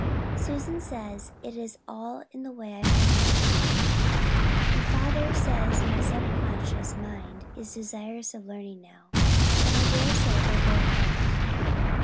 Susan says it is all in the way I hold my mouth and father says my subconscious mind is desirous of learning now, and I dare say they're both right.